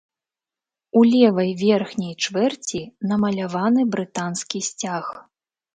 У левай верхняй чвэрці намаляваны брытанскі сцяг.